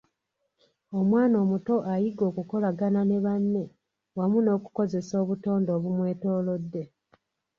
Omwana omuto ayiga okukolagana ne banne wamu n’okukozesa obutonde obumwetoolodde.